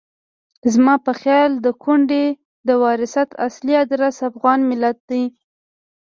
زما په خیال د کونډې د وراثت اصلي ادرس افغان ملت دی.